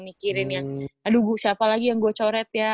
mikirin yang aduh gue siapa lagi yang gue coret ya